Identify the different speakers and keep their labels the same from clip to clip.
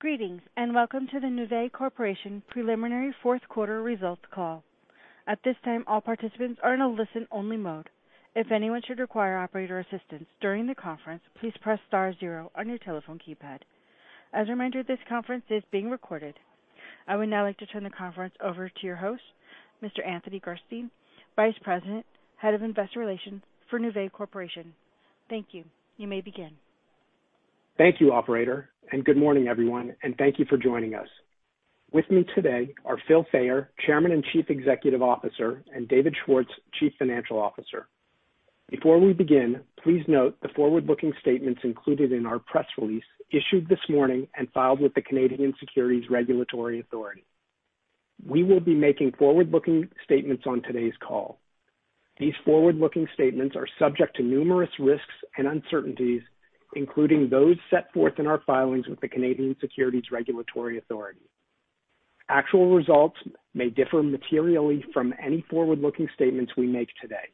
Speaker 1: Greetings, and welcome to the Nuvei Corporation preliminary fourth quarter results call. At this time, all participants are in a listen-only mode. If anyone should require operator assistance during the conference, please press star zero on your telephone keypad. As a reminder, this conference is being recorded. I would now like to turn the conference over to your host, Mr. Anthony Gerstein, Vice President, Head of Investor Relations for Nuvei Corporation. Thank you. You may begin.
Speaker 2: Thank you, operator, and good morning, everyone, and thank you for joining us. With me today are Phil Fayer, Chairman and Chief Executive Officer, and David Schwartz, Chief Financial Officer. Before we begin, please note the forward-looking statements included in our press release issued this morning and filed with the Canadian Securities Regulatory Authority. We will be making forward-looking statements on today's call. These forward-looking statements are subject to numerous risks and uncertainties, including those set forth in our filings with the Canadian securities regulatory authorities. Actual results may differ materially from any forward-looking statements we make today.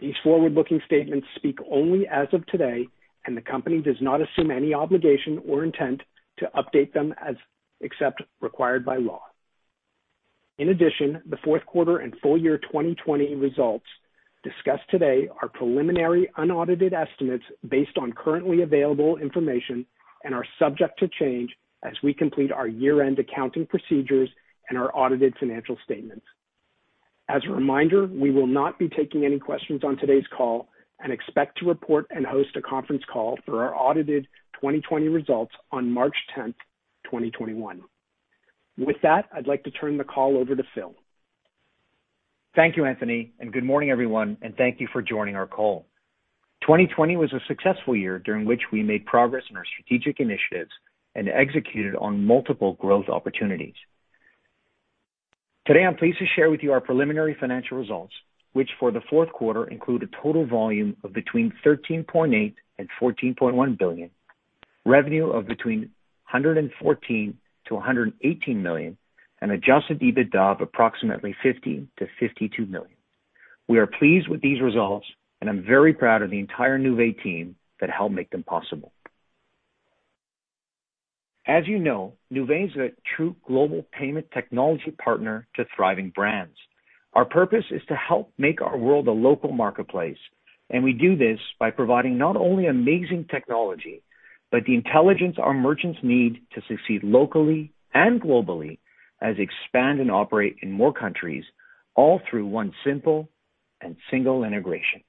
Speaker 2: These forward-looking statements speak only as of today, and the company does not assume any obligation or intent to update them, except as required by law. In addition, the fourth quarter and full year 2020 results discussed today are preliminary, unaudited estimates based on currently available information and are subject to change as we complete our year-end accounting procedures and our audited financial statements. As a reminder, we will not be taking any questions on today's call and expect to report and host a conference call for our audited 2020 results on March 10, 2021. With that, I'd like to turn the call over to Phil.
Speaker 3: Thank you, Anthony, and good morning, everyone, and thank you for joining our call. 2020 was a successful year during which we made progress in our strategic initiatives and executed on multiple growth opportunities. Today, I'm pleased to share with you our preliminary financial results, which for the fourth quarter include a total volume of between $13.8 billion and $14.1 billion, revenue of between $114 million-$118 million, and Adjusted EBITDA of approximately $50 million-$52 million. We are pleased with these results, and I'm very proud of the entire Nuvei team that helped make them possible. As you know, Nuvei is a true global payment technology partner to thriving brands. Our purpose is to help make our world a local marketplace, and we do this by providing not only amazing technology, but the intelligence our merchants need to succeed locally and globally as expand and operate in more countries, all through one simple and single integration.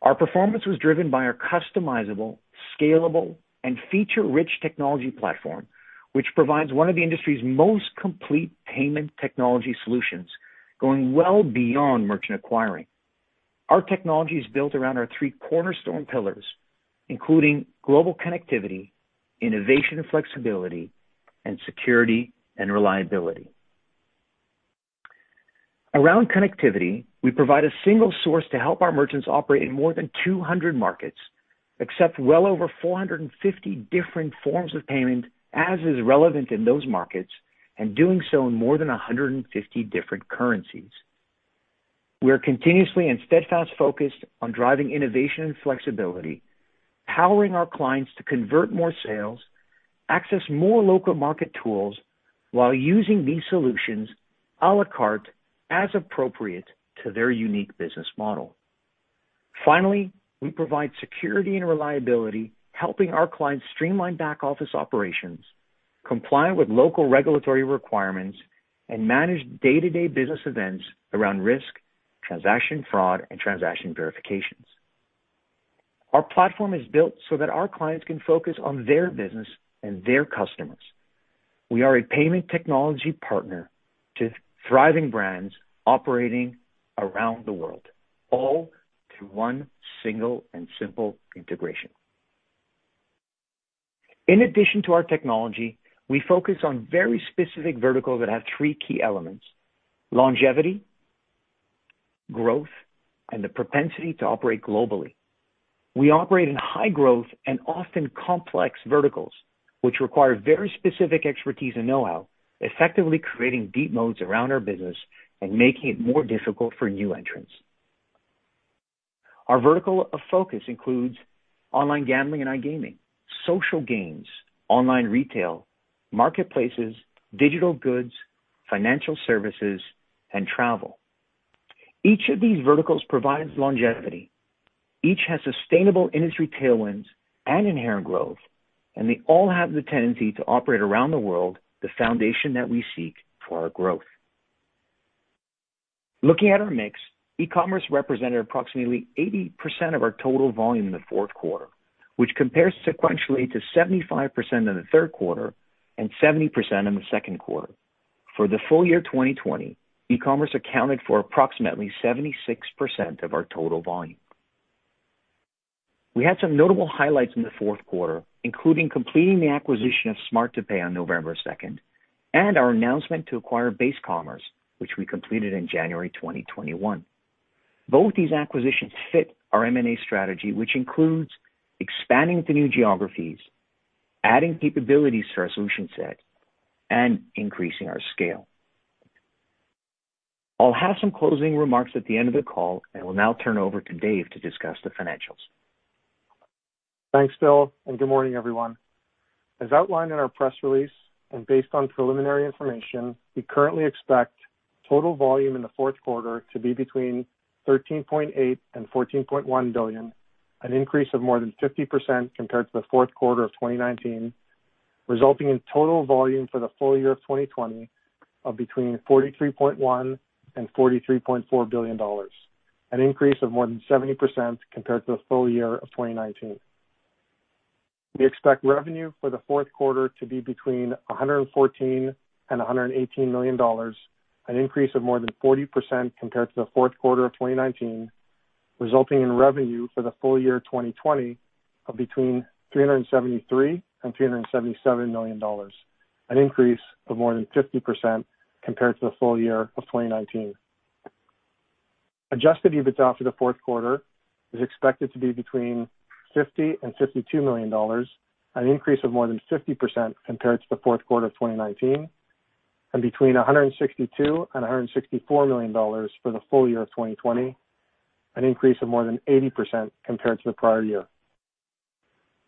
Speaker 3: Our performance was driven by our customizable, scalable, and feature-rich technology platform, which provides one of the industry's most complete payment technology solutions, going well beyond merchant acquiring. Our technology is built around our three cornerstone pillars, including global connectivity, innovation and flexibility, and security and reliability. Around connectivity, we provide a single source to help our merchants operate in more than 200 markets, accept well over 450 different forms of payment as is relevant in those markets, and doing so in more than 150 different currencies. We are continuously and steadfast focused on driving innovation and flexibility, powering our clients to convert more sales, access more local market tools while using these solutions a la carte, as appropriate to their unique business model. Finally, we provide security and reliability, helping our clients streamline back-office operations, comply with local regulatory requirements, and manage day-to-day business events around risk, transaction fraud, and transaction verifications. Our platform is built so that our clients can focus on their business and their customers. We are a payment technology partner to thriving brands operating around the world, all through one single and simple integration. In addition to our technology, we focus on very specific verticals that have three key elements: longevity, growth, and the propensity to operate globally. We operate in high growth and often complex verticals, which require very specific expertise and know-how, effectively creating deep moats around our business and making it more difficult for new entrants. Our vertical of focus includes online gambling and iGaming, social gaming, online retail, marketplaces, digital goods, financial services, and travel. Each of these verticals provides longevity. Each has sustainable industry tailwinds and inherent growth, and they all have the tendency to operate around the world, the foundation that we seek for our growth. Looking at our mix, e-commerce represented approximately 80% of our total volume in the fourth quarter, which compares sequentially to 75% in the third quarter and 70% in the second quarter. For the full year 2020, e-commerce accounted for approximately 76% of our total volume. We had some notable highlights in the fourth quarter, including completing the acquisition of Smart2Pay on November 2, and our announcement to acquire Base Commerce, which we completed in January 2021. Both these acquisitions fit our M&A strategy, which includes expanding to new geographies, adding capabilities to our solution set, and increasing our scale. I'll have some closing remarks at the end of the call, and we'll now turn over to Dave to discuss the financials.
Speaker 4: Thanks, Phil, and good morning, everyone. As outlined in our press release and based on preliminary information, we currently expect total volume in the fourth quarter to be between $13.8 billion and $14.1 billion, an increase of more than 50% compared to the fourth quarter of 2019, resulting in total volume for the full year of 2020 of between $43.1 billion and $43.4 billion, an increase of more than 70% compared to the full year of 2019. We expect revenue for the fourth quarter to be between $114 million and $118 million, an increase of more than 40% compared to the fourth quarter of 2019, resulting in revenue for the full year 2020 of between $373 million and $377 million, an increase of more than 50% compared to the full year of 2019. Adjusted EBITDA for the fourth quarter is expected to be between $50 million and $52 million, an increase of more than 50% compared to the fourth quarter of 2019, and between $162 million and $164 million for the full year of 2020, an increase of more than 80% compared to the prior year.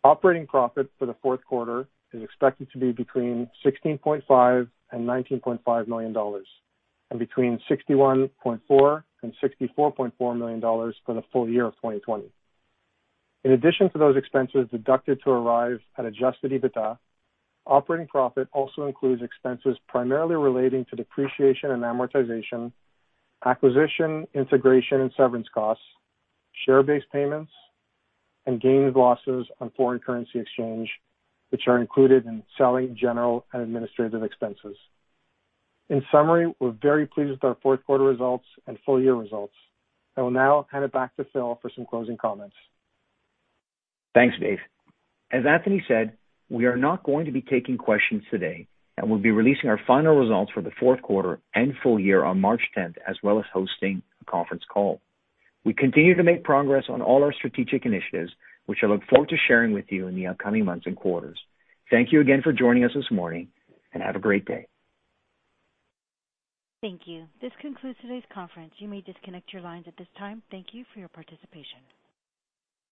Speaker 4: Operating profit for the fourth quarter is expected to be between $16.5 million-$19.5 million, and between $61.4 million-$64.4 million for the full year of 2020. In addition to those expenses deducted to arrive at Adjusted EBITDA, operating profit also includes expenses primarily relating to depreciation and amortization, acquisition, integration, and severance costs, share-based payments, and gains, losses on foreign currency exchange, which are included in selling, general, and administrative expenses. In summary, we're very pleased with our fourth quarter results and full year results. I will now hand it back to Phil for some closing comments.
Speaker 3: Thanks, Dave. As Anthony said, we are not going to be taking questions today, and we'll be releasing our final results for the fourth quarter and full year on March 10th, as well as hosting a conference call. We continue to make progress on all our strategic initiatives, which I look forward to sharing with you in the upcoming months and quarters. Thank you again for joining us this morning, and have a great day.
Speaker 1: Thank you. This concludes today's conference. You may disconnect your lines at this time. Thank you for your participation.